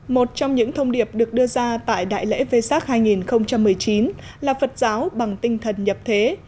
một trong những thông điệp được đưa ra tại đại lễ vê sắc hai nghìn một mươi chín là phật giáo bằng tinh thần nhập thế